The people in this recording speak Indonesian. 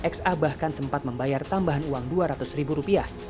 xa bahkan sempat membayar tambahan uang dua ratus ribu rupiah